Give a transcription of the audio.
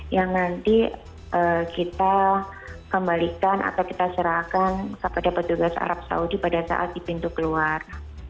yang nanti kita kembalikan atau kita serahkan kepada petugas arab saudi pada saat di pintu keluar